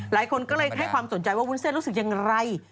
หลายคนก็เลยให้ความสนใจว่าวุ้นเส้นรู้สึกอย่างไร